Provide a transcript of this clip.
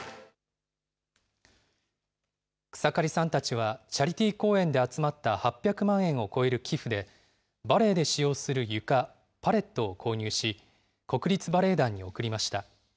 草刈さんたちは、チャリティー公演で集まった８００万円を超える寄付で、バレエで使用する床、パレットを購入し、国立バレエ団に送りました。